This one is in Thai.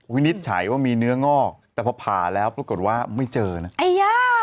วินิจฉัยว่ามีเนื้องอกแต่พอผ่าแล้วปรากฏว่าไม่เจอนะไอ้ย่า